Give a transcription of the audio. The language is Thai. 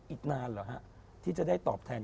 อีกนานเหรอฮะที่จะได้ตอบแทน